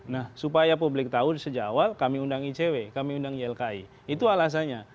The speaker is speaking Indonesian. nah supaya publik tahu sejak awal kami undang icw kami undang ylki itu alasannya